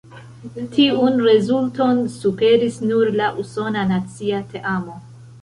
Tiun rezulton superis nur la usona nacia teamo.